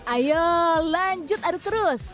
ayo lanjut aduk terus